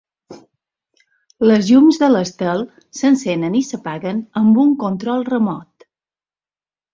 Les llums de l’estel s’encenen i s’apaguen amb un control remot.